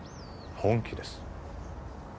本気です